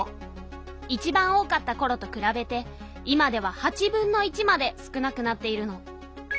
いちばん多かったころとくらべて今では８分の１まで少なくなっているの。